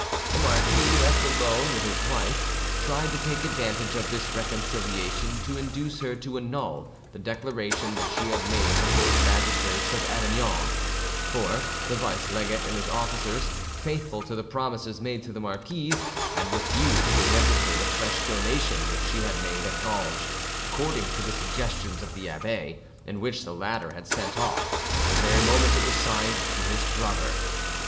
The marquis, left alone with his wife, tried to take advantage of this reconciliation to induce her to annul the declaration that she had made before the magistrates of Avignon; for the vice legate and his officers, faithful to the promises made to the marquise, had refused to register the fresh donation which she had made at Ganges, according to the suggestions of the abbe, and which the latter had sent off, the very moment it was signed, to his brother.